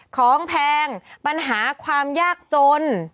แพงปัญหาความยากจน